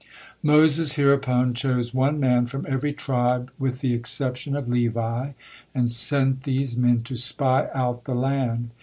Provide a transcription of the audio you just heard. Moses hereupon chose one man from every tribe with the exception of Levi, and sent these men to spy out the land.